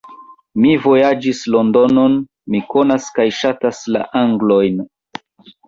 Mi vojaĝis Londonon; mi konas kaj ŝatas la Anglojn.